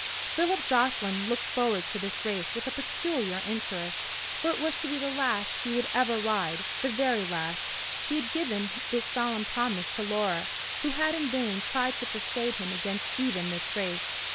Philip Jocelyn looked forward to this race with a peculiar interest, for it was to be the last he would ever ride—the very last: he had given this solemn promise to Laura, who had in vain tried to persuade him against even this race.